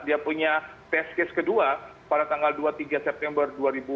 dia punya test case kedua pada tanggal dua puluh tiga september dua ribu dua puluh